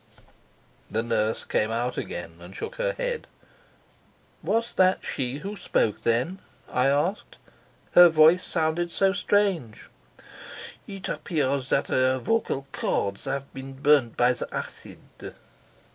The nurse came out again and shook her head. "Was that she who spoke then?" I asked. "Her voice sounded so strange." "It appears that her vocal cords have been burnt by the acid."